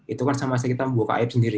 itu kan sama saja kita membuka aip sendiri